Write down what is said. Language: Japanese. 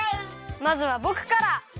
まずはぼくから！